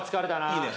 いいね。